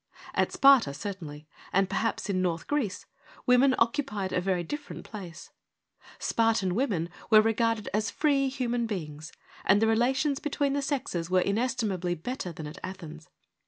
At Sparta certainly, and perhaps in North Greece, women occupied a very different place. Spartan women were regarded as free human beings, and the relations between the sexes were inestimably better INTRODUCTION 3 tnan at Athens.